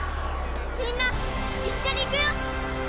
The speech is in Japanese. みんな一緒にいくよ！